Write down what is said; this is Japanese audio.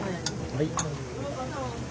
はい。